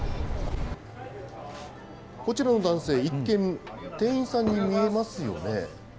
こちらの男性、一見、店員さんに見えますよね。